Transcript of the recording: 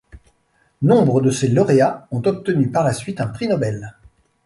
Nombre de ses lauréats ont obtenu par la suite un prix Nobel.